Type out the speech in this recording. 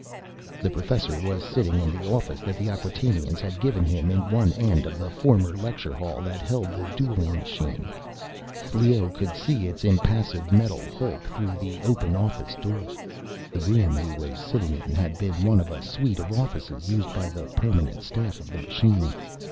_ The professor was sitting in the office that the Acquatainians had given him in one end of the former lecture hall that held the dueling machine. Leoh could see its impassive metal hulk through the open office door. The room he was sitting in had been one of a suite of offices used by the permanent staff of the machine.